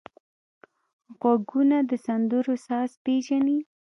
غوږونه د سندرو ساز پېژني